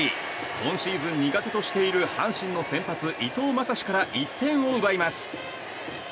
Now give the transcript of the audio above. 今シーズン苦手としている阪神の先発、伊藤将司から１点を奪います。